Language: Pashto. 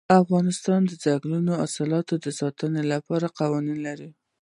افغانستان د دځنګل حاصلات د ساتنې لپاره قوانین لري.